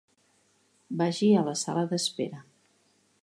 Vagi a la sala d'espera.